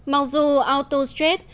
mặc dù autostrade